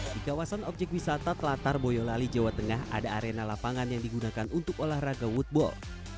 di kawasan objek wisata telatar boyolali jawa tengah ada arena lapangan yang digunakan untuk olahraga woodball